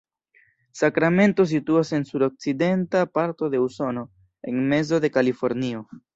Sakramento situas en sudokcidenta parto de Usono, en mezo de Kalifornio.